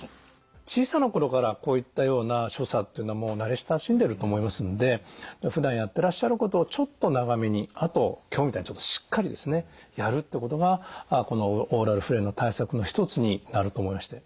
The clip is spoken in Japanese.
小さな頃からこういったような所作っていうのはもう慣れ親しんでると思いますのでふだんやっていらっしゃることをちょっと長めにあと今日みたいにちょっとしっかりですねやるってことがこのオーラルフレイルの対策の一つになると思いまして。